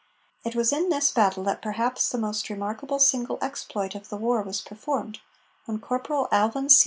It was in this battle that perhaps the most remarkable single exploit of the war was performed, when Corporal Alvin C.